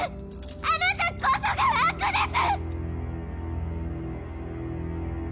あなたこそが悪です！